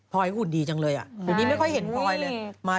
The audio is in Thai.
พอยอุ่นดีจังเลยอ่ะวันนี้ไม่ค่อยเห็นพลอยเลย